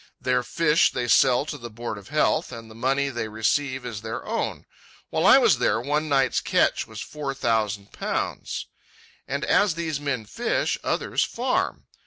Their fish they sell to the Board of Health, and the money they receive is their own. While I was there, one night's catch was four thousand pounds. And as these men fish, others farm.